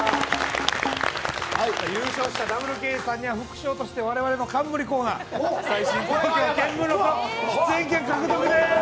優勝したＷ刑事さんには我々の冠コーナー「最新東京見聞録」出演権獲得です。